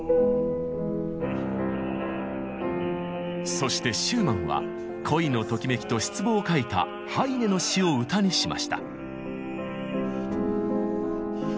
そしてシューマンは恋のときめきと失望を書いたハイネの詩を歌にしました。